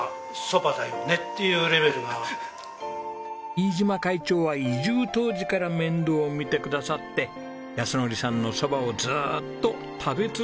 飯島会長は移住当時から面倒を見てくださって靖典さんの蕎麦をずっと食べ続けてきてくれました。